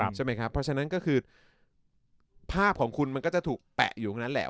เพราะฉะนั้นภาพของคุณก็จะถูกแปะอยู่ตรงนั้น